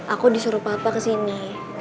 aku disuruh papa kesini